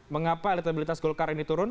mengapa elektabilitas golkar ini turun